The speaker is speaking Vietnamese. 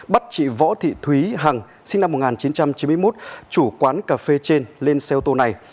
bắt chị võ thị thúy hằng sinh năm một nghìn chín trăm chín mươi một chủ quán cà phê trên lên xe ô tô này